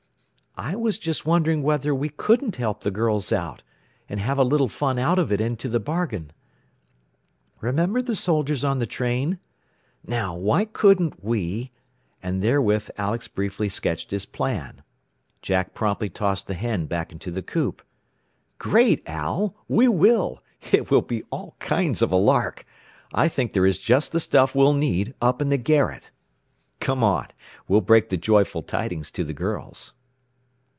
"I was just wondering whether we couldn't help the girls out, and have a little fun out of it into the bargain. Remember the soldiers on the train? Now, why couldn't we," and therewith Alex briefly sketched his plan. Jack promptly tossed the hen back into the coop. "Great, Al! We will! It will be all kinds of a lark. I think there is just the stuff we'll need up in the garret. "Come on; we'll break the joyful tidings to the girls."